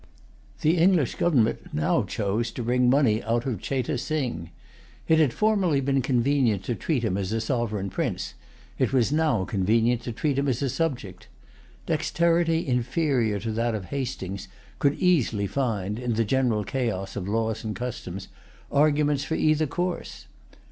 The English government now chose to wring money out of Cheyte Sing. It had formerly been convenient to treat him as a sovereign prince; it was now convenient to treat him as a subject. Dexterity inferior to that of Hastings could easily find, in the general chaos of laws and customs, arguments for either course.